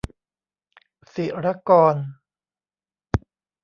ศิรกร